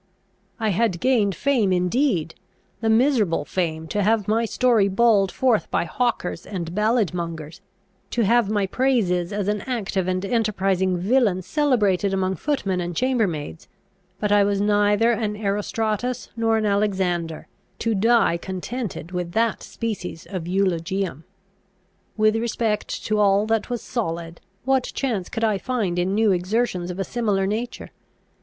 I had gained fame indeed, the miserable fame to have my story bawled forth by hawkers and ballad mongers, to have my praises as an active and enterprising villain celebrated among footmen and chambermaids; but I was neither an Erostratus nor an Alexander, to die contented with that species of eulogium. With respect to all that was solid, what chance could I find in new exertions of a similar nature?